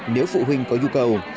nếu phụ huynh có nhu cầu